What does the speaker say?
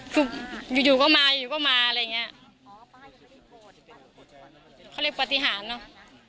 คืออยู่ก็มาอยู่ก็มาอะไรอย่างเงี้ยเขาเรียกปฏิหารเนอะ